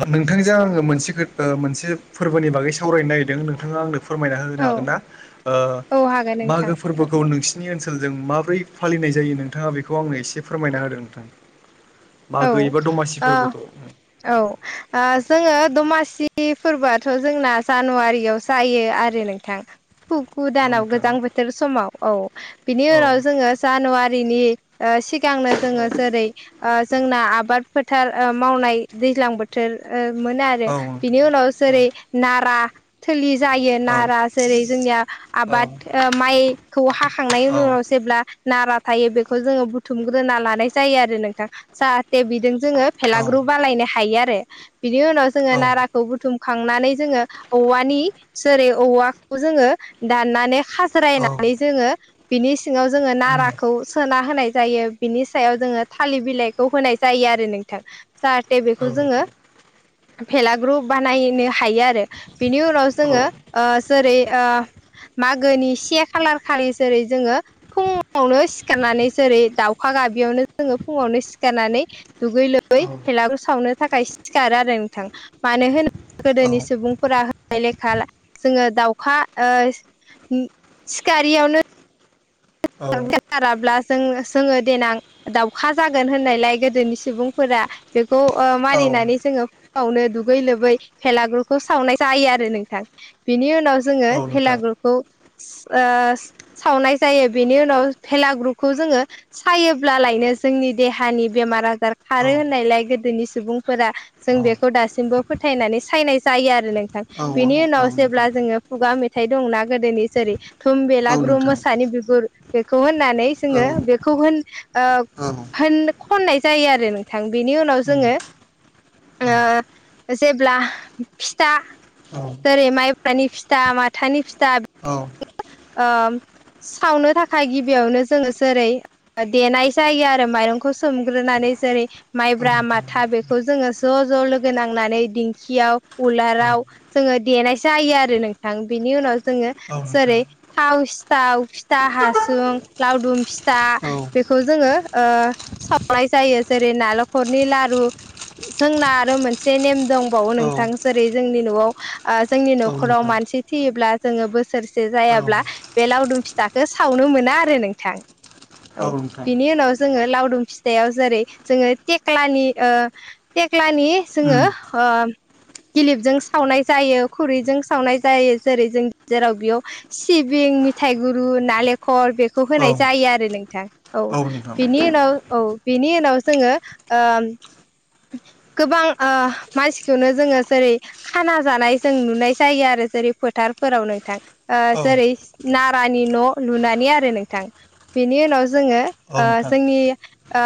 ओ नोंथांजों आंङो मोनस खोथ ओे मोनसे फोर्बोनि बागै सावरायनो नागिरदों नोंथाङा आंनो फोरमायना औ होनो हागोन ना ओ औ हागोन नोंथां मागो फोरबोखौ नोंसि नोंसिनि ओनसोलजों माबोरै फालिनाय जायो नोंथाङा बेखौ आंनो एसे फोरमायना होदो नोंथां। औ मागो एबा दमासि ओ फोरबोखौ। औ ओ जोङो दमासि फोरबोआथ' जोंना जानुवारियाव जायो आरो नों थां फुखुु औ दानाव नोंथां गोजां बोथोर समाव औ बिनि औ उनाव जोंङो जानुवारिनि ओ सिगांनो जोङो जेरै ओ जोंना आबाद फोथार ओ मावनाय दैज्लां बोथ थोर ओ मोन आरो औ नोंथां बेनि उनाव जेरै नारा थोलि जायो औ नारा जेरै जोंनिया आबाद ओ माइखौ हाखांनायनि उननाव औ जेब्ला नारा थायो बेखौ जोङो बुथुमग्रोना लानाय जायो आरो नोंथां जाहाथे बिजों जोङो भेलाग्रु बालायनो हायो आरो बिनि उनाव जोङो औ नारा खौ बुथुमखांनानै जोङो औवानि जेरै औवाखौ जोङो दाननानै हा औ ज्रायनानै जोङो बिनि सिङाव जोङो उम नाराखौ सोना होनाय जायो। बिनि सायाव जोङो थालिर बिलाइखौ होनाय जायो आरो नोंथां जाहाथे औ बेखौ नोंथां जोंङो भेलाग्रु बानायनो हायो आरो बिनि उनाव औ जोङो ओ जेरै ओ मागोनि से खालार खालि जेरै जोङो फुंङावनो सिखारनानै जेरै दाउखा गाबियावनो जोङो फुङावनो सिख सिखारनानै दुगै लोबै भेलागुर सावनो थाखाय सिखारो आरो नोंथां मानो होनो औ गोदोनि सुबुंफोरा लेखा जोङो दाउखा ओ सिखारियावनो [unintelligible] जों जोङो देनां दाावखा जागोन होननायलाय गोदोनि सुबुंफोरा बेखौ ओ औ मानिनानै जोङो फुंङावनो दुगै लोबै भेलागुरखौ सावनाय जायो आरो नोंथां बेनि उनाव जोङो औ नोंथां भेलागुरखौ ओ सावनाय जायो। बेनि उनाव भेलागुरखौ जोङो सायोब्लालायनो जोंनि देहानि बेमार आजार औ औ खारो होननायलाय गोदोनि सुबुंफोरा जों बेखौ दासिमबो फोथायनानै सायनाय जायो आरो नोंथां। बिनि औ उनाव नोंथां जेब्ला जोङो खुगा मेथाइ दंना गोदोनि जेरै थुम औ बेलाग्रु नोंथां मोसानि बिगुर बेखौ होननानै जोङो औ बे खौ होन ओ औ उम होन खननाय जायो आरो बेनि उनाव जोङो उम ओ जेब्ला फिथा औ जेरै माइब्रानि फिथा माथानि फिथा। औ ओ सावनो थाखाय गिबियावनो जोङो जेरै देनाय जायो आरो माइरंखौ सोमग्रोनानै जेरै औ माइब्रा नोंथां माथा बेखौ जोङो ज' ज' लोगो नांनानै दिंखियाव औ उलाराव जोङो देनाय जायो आरो नोंथां बिनि उनाव जोङो औ नोंथां जेरै थाव सिथाव, फिथा हा सुं लावदुम फिथा औ बेखौ जोङो ओ सावनाय जायो जेरै नालेखरनि लारु जोंना आरो मोनसे नेम दंबावो औ नोंथां जेरै जोंनि न'आव आ जोंनि न' औ खराव नोंथां मानसि थैयोब्ला जोङो बोसोरसे औ जायाब्ला बे लावदु फिथाखौ सावनो मो ना आरो नोंथां औ बिनि उनाव जोङो लावदुम फिथायाव जेरै जोङो थेख्लानि ओ थेख्लानि जोंङो उम ओ गिलिबजों सावनाय जायो खुरैजों सावनाय जायो जेरै जों जेराव बेयाव सिबिं मिथाइ गुरु नालेंखर बेखौ औ होनाय जायो आरो नोंथां औ बिनि उनाव औ बिनि उनाव जोङो ओम गोबां ओ मानसिखौनो जोङो जेरै खाना जानाय जों नुनाय जायो आरो जेरै फोथारफोराव नोंथां ओ औ जरै नारानि न' लुनानै आरो नोंथां बेनि उनाव जोङो औ ओ नोंथां जोंनि ओ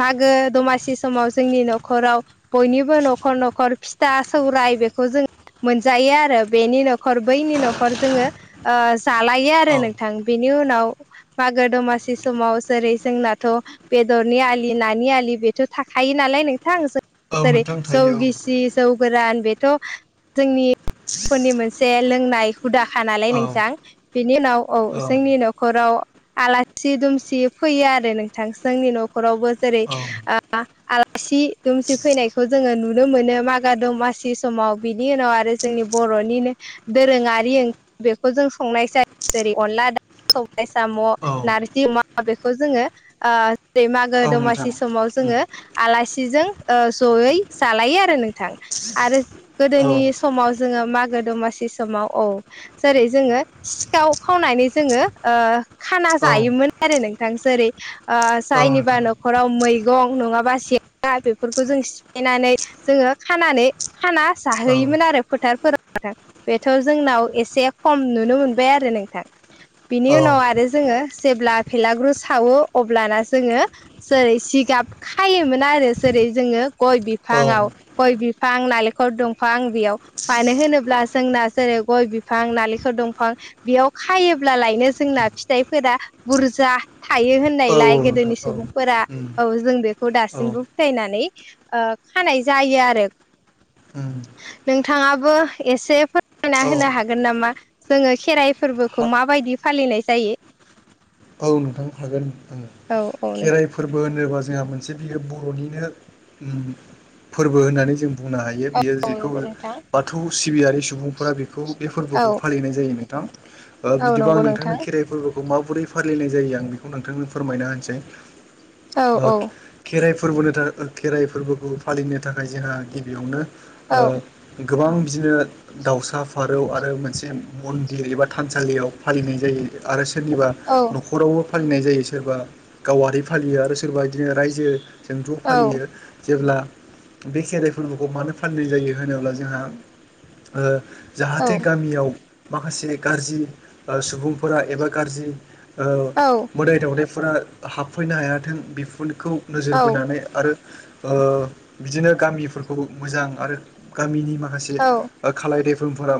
मागो दमासि समाव जोंनि न'खराव बयनिबो न'खर न'खर फिथा सौराय बेखौ जों मोनजायो आरो बेनि न'खर बैनि न'खर जोङो ओ जालायो आरो औ नोंथां बिनि उनाव मागो दमासि समाव जेरै जोंनाथ' बेदरनि आलि नानि आलि बेथ' थाखायो नालाय नोंथां औ जेरै नोंथां थायो जौगिसि जौ गोरान बेथ' जोंनि फोरनि मोनसे लोंनाय हुदाखा नालाय औ नोंसां बेनि उनाव औ जोंनि न'खराव आलाथि दुमसि फैयो आरो नोंथां जोंनि न'खरावबो जेरै औ आ आलासि दुमसि फैनायखौ जोङो नुनो मोनो मागा दमासि समाव बिनि उनाव आरो जोंनि बर'निनो दोरोङारि ओं बेखौ जों संनाय जायो जेरै अनला दाउ सबाय साम' औ नारजि अमा बेखौ जोङो ओ दै मागो औ नोंथां दमासि समाव उम जोङो आलासिजों ओ जयै जालायो आरो नोंथां आरो औ गोदोनि समाव जोङो मागो दमासि समाव औ जेरै जोङो सिखाव खावनानै जोङो ओ खाना औ जायोमोन आरो नोंथां जेरै ओ औ नोंथां औ जायनिबा नोंथां न'खराव मैगं नङाबा से्रा बेफोरखौ जों सिफायनानै जोङो खानानै खाना औ जाहोयोमोन आरो फोथारफोराव बेथ' जोंनाव एसे खम नुनो मोनबाय आरो नोंथां बिनि उनाव उम आरो जोङो जेब्ला फेलाग्रु सावो अब्लाना जोङो जेरै जिगाब खायोमोन आरो जोङो गय औ बिफाङाव गय बिफां नालेंखर दंफांं बेयाव फानो होनोब्ला जोंना जेरै गय बिफां नालेंखर दंफां बेयाव खायोब्लालायनो जोंना फिथाइफोरा बुरजा थायो होन नायलाय गोदोनि सुबुंफोरा औ जों बेखौ दासिमबो फोथायनानै ओ खानाय जायो आरो ओम नोंथाङाबो एसे फोरमना औ होनो हागोन नामा जोङो खेराइ हा फोरबोखौ माबायदि फालिनाय जायो औव नोंथांनो हागोन आंडो औ औ नोंथां फोरबो होनोबा जोंहा मोनसे बियो बर'निनो फोरबो होननानै जों बुंनो हायो बियो औ जिखौ नंगौ नोंथां बाथौ सिबियारि सुबुंफोरा बेखौ बे औ फोरबोखौ फालिनाय जायोमोन नोंथां औ बिदिबा आं नंगौ नोंथांनि नोंथां खेराइ फोरबोखौ माबोरै फारिलिनाय जायो आं बेखौ नोंथांनो फोरमायना होनोसै औ औ खेराइ फोरबोनि थाखाय खेराइ फोरबोखौ फालिनो थाखाय जोंहा गिबियावनो औ ओ गोबां बिदिनो दावसा फारौ आरो मोनसे मन्दिर एबा थानसालियाव फालिनाय जायो आरो सोरनिबा औ न'खरावबो फालिनाय जायो सोरबा गावारि फालियो आरो सोरबा बिदिनो रायजो जों औ ज'फालियो जेब्ला बे खेराइ फोरबोखौ मानो फाननाय जायो होनोब्ला जोंहा ओ। जाहाथे गामियाव माखासे गाज्रि ओ सुबुंफोरा एबा गाज्रि। ओ औ मोदाय दावदनायफोरा हाबफैनो हायाथों बिफोरखौ। नोजोर औ बोनानै आरो। ओ बिदिनो गामिफोरखौ मोजां आरो गामिनि माखासे। औ ओ खालाय देफोरफोरा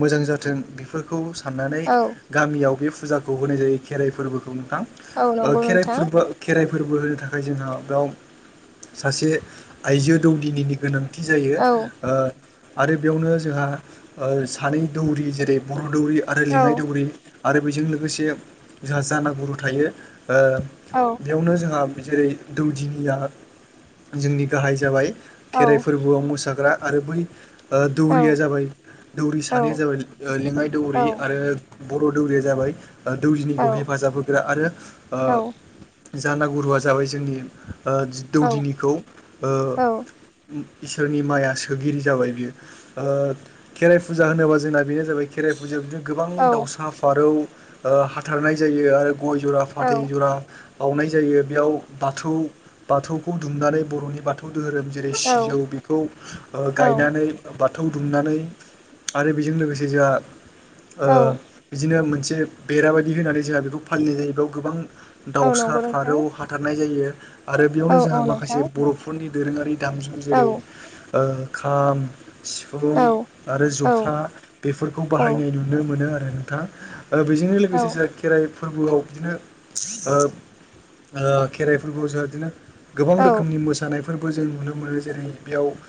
मोजां जाथों ओ बेफोरखौ साननानै। औ गामियाव बे फुजाखौ होनाय जायो खेराइ फोरबोखौ नोंथां औ नंगौ खेराइ नोंथां फोरबो। खेराइ फोरबो होनो थाखाय जोंहा बेयाव सासे आइजो दौदिनिनि गोनां। थि जायो औ ओ। आरो बेयावनो जोंहा सानै दौरि जेरै बर' दौरि आरो लिङाइ औ दौरि। आरो बेजों लोगोसे जोंहा जानागुरु थायो ओ। औ। बेयावनो जोंहा जेरै दौदिनिया जोंनि गाहाय जाबाय। औ खेराइ फोरबोआव मोसाग्रा आरो बै। ओ औ दौरिया जाबाय दौरि औ सानैया जाबाय लेङाइ औ दौरि आरो। बर' दौरिया जाबाय दौरिनिखौ हेफाजाब होग्रा आरो ओ। जाना गुरुआ जाबाय जोंनि ओ दौदिनिखौ ओ। इसोरनि माइया सोगिरि जाबाय बियो। ओ खेराइ फुजा होनोबा जोंना बेनो जाबाय। खेराइ फुजायाव बिदिनो गोबां दावसा फारौ हाथारनाय जायो आरो गय जरा। फाथै जरा बावनाय जायो बेयाव बाथौ बाथौखौ दुमनानै बर'नि बाथौ। बाथौ धोरोम जेरै सिजौ बेखौ ओ औ गायनानै। बाथौ दुमनानै आरो बेजों लोगोसे जोंहा। ओ औ बिदिनो मोनसे बेराबायदि होनानै जोंहा बेखौ फालिनाय जायो बेयाव गोबां। औ दाउसा नंगौ नोंथां फारौ हाथारनाय जायो आरो बेयावनो औ जोंहा औ माखासे नोंथां बर'फोरनि दोरोङारि। दामजु औ जेरै ओ खाम। सिफुं औ आरो जथा बेफोरखौ औ बाहायनाय नुनो मोनो आरो नोंथां। बेजोंनो औ लोगोसे जोंहा खेराइ फोरबोआव बिदिनो ओ ओ खेराइफोरखौ जोंहा बिदिनो गोबां औ रोखोमनि मोसानायफोरबो जों नुनो मोनो जेरै।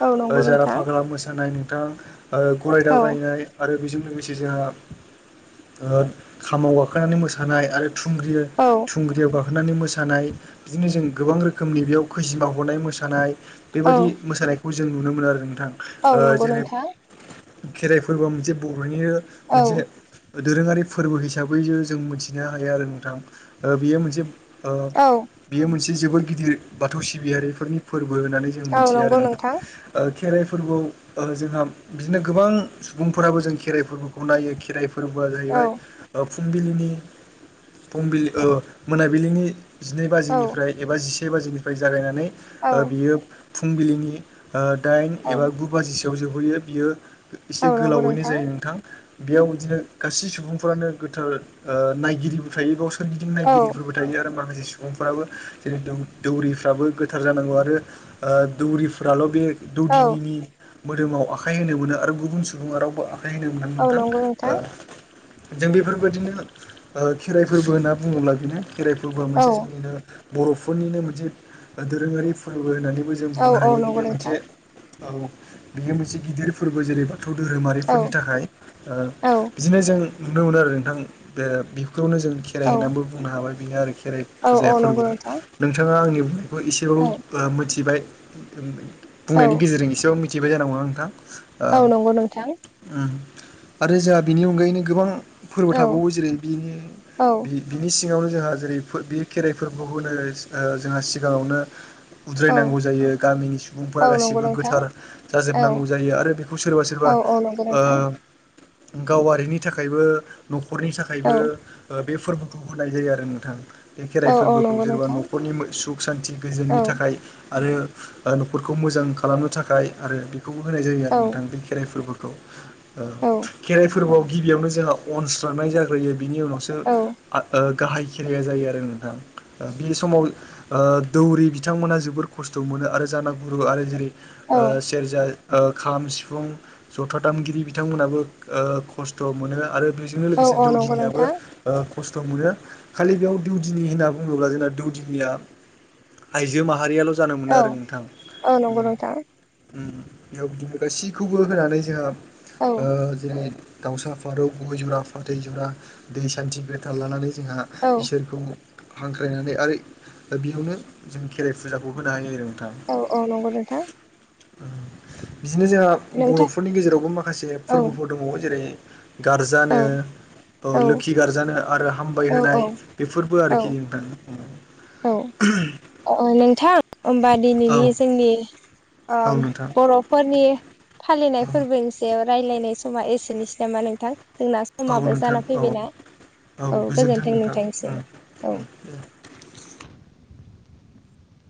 औ नंगौ जारा नोंथां फाग्ला मोसानाय नोंथां ओ गराय औ दाब्रायनाय। आरो बेजों लोगोसे जोंहा ओ खामाव गाखोनानै मोसानाय आरो थुंग्रि। औ। थुंग्रियाव गाखोनानै मोसानाय बिदिनो जों गोबां रोखोमनि बेयाव खैजिमा हनाय मोसानाय बेबायदि औ मोसानायखौ जों नुनो मोनो आरो नोंथां औ ओ नंगौ जेरै नोंथां खेराइ फोरबोआ मोनसे बर'निनो औ मोनसे दोरोङारि फोरबो हिसाबै जों मिथिनो हायो आरो नोंथां बेयो मोनसे ओ औ बेयो मोनसे जोबोद गिदिर बाथौ सिबियारिफोरनि फोरबो होननानै जों औ मोनथियो आरो नंगौ नोंथां। ओ खेराइ फोरबोआव ओ जोंहा बिदिनो गोबां सुबुंफोराबो जों खेराइ फोरबोखौ नायो खेराइ फोरबोआ औ जाहैबाय ओ फुंबिलिनि फुंबिलि ओ मोनाबिलिनि जिनै औ बाजिनिफ्राय एबा जिसे बाजिनिफ्राय जागायनानै औ ओ बियो फुंबिलिनि ओ दाइन औ एबा गु बाजिसोआव जोबहैयो बियो औ एसे नंगौ गोलावैनो जायो नोंथां। बेयाव बिदिनो गासै सुबुंफोरानो गोथार ओ नायगिरिबो थायो बाव सोरगिदिं औ नायगिरिफोरबो थायो आरो माखासे सुबुंफ्राबो जेरै दौ दौरिफ्राबो गोथार जानांगौ आरो ओ दौरिफ्राल' बे औ दौदिनिनि मोदोमाव आखाय होनो मोनो आरो गुबुन सुबुङा रावबो आखाइ होनो मोना औ नोंथां नंगौ नोंथां ओ जों बेफोरबायदिनो ओ खेराइ फोरबो होनना बुङोब्ला बेनो खेराइ फोरबोआ औ मोनसे जोंनिनो बर'फोरनिनो मोनसे दोरोङारि फोरबो होननानैबो जों औ बुंनो औ हायो नंगौ बियो मोनसे नोंथां औ बेयो मोनसे गिदिर फोरबो जेरै बाथौ धोरोमारि औ फोरनि थाखाय ओ औ बिदिनो जों नुनो मोनो आरो नोंथां बे बिखौनो जों खेराइ औ होननानैबो बुंनो हाबाय बेनो आरो खेराइ औ फुजाया औ नंगौ फोरबोआ नोंथां नोंथाङा आंनि बुंनायखौ एसेबाबो औ मोनथिबाय औ बुंनायनि गेजेरजों एसेबां मिथिबाय जानांगौना नोंथां? औ ओ नंगौ नोंथां। उम आरो जोंहा बिनि अनगायैनो गोबां फोरबो औ थाबावो जेरै बिदिनो औ बिनि सिङावनो जोंहा जेरै बे खेराइफोरखौ जोंहा सिगाङावनो औ उद्रायनांगौ जायो गामिनि सुबुंफोरा औ नंगौ गासिबो नोंथां गोथार औ जाजोबनांगौ जायो आरो बेखौ औ सोरबा-सोरबा औ नंगौ नोंथां। गावारिनि थाखायबो न'खरनि थाखायबो। बे फोरबोखौ होनाय जायो आरो नोंथां बे औ खेराइ औ फोरबोखौ नंगौ सोरबा न' नोंथां नखरनि सुख सान्ति गोजोननि औ औ थाखाय आरो न'खरखौ मोजां खालामनो थाखाय आरो बेखौबो होनाय जायो आरो नोंथां बे खेराइ फोरबो खौ ओ औ खेराइ फोरबोआव गिबियावनो जोंहा अनस्रांनाय जाग्रोयो बिनि उनावसो ओ आ ओ गाहाय खेराया जायो आरो नोंथां। बे समाव ओ दौरि बिथांमोनहा जोबोद खस्थ' मोनो आरो जानागुरु आरो जेरै औ ओ सेरजा ओ खाम सिफुं जथा दामगिरि बिथांमोनाबो खस्थ'ओ मोनो आरो बिजोनो औ लोगोंसे औ नंगौ दौदिनिआबो नोंथां ओ खस्थ' मोनो खालि बेयाव दौदिनि होनना बुङोब्ला जोंना दौदिनिया आइजो माहारियाल' जानो मोनो औ आरो नोंथां। औ नंगौ उम नोंथां बेयाव बिदिनो गासैखौबो होनानै जोंहा औ ओ जेरै दाउसा फारौ गय जरा फाथै जरा दै सान्थि गोथार लानानै जोंहा औ इसोरखौ हांख्रायनानै आरो बेयावनो जों खेराइ फुजाखौ होनो हायो आरो नोंथां। औ-औ नंगौ-नोंथां। बिदिनो जोंहा नोंथां बर'फोरनि गेजेरावबो माखासे औ फोरबोफोर दंबावो जेरै गारजानो औ अ औ लोखि गारजानो आरो हामबा औ बै औ होनाय बेफोरबो औ आरोखि नोंथां। औ अ नोंथां होनबा औ दिनैनि जोंनि ओम औ नोंथां बर'फोरनि फालिनाय औ फोरबोनि सायाव रायलायनाय समा एसेनोसै नामा नोंथां जोंना औ समाबो नोंथां जाना औ फैबायना औ गोजोन्थों गोजोनथों नोंथांनिसिम नोंथां औ।